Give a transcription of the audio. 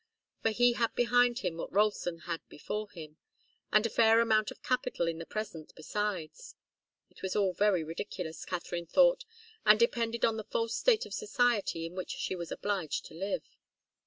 For he had behind him what Ralston had before him, and a fair amount of capital in the present, besides. It was all very ridiculous, Katharine thought, and depended on the false state of society in which she was obliged to live.